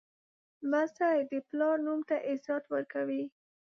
لمسی د پلار نوم ته عزت ورکوي.